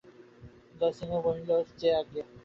জয়সিংহ কহিলেন, যে আজ্ঞে।